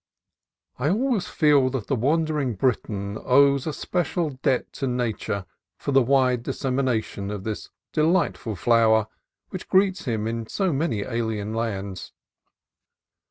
(I always feel that the wandering Briton owes a special debt to Nature for the wide dissemination of this delightful flower, which greets him in so many alien lands.)